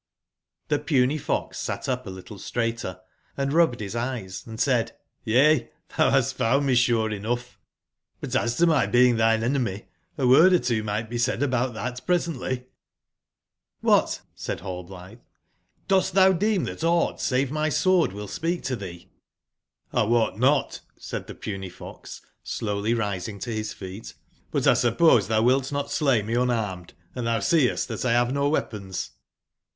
^p^^RB Puny fox sat up a little straighter, and ■fe^ rubbed his eyes and said: ''Y^^^ ^^^"^^^^ ^^g^l found me sure enough. But as to my being 142 tbinc enemy, a word or two may be said about tbat prescn tly " j^*' Cdbat !" said Hallblitbe, '* dost tbou deem tbat augbt save my swordwill speak to tbee?'' jj^*'I wot not/' said tbe puny fox, slowly rising to bis feet, ''but 1 suppose tbou wilt not slay me un armed, and tbou seest tbat X bave no weapons "j!